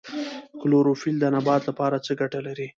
کلوروفیل د نبات لپاره څه ګټه لري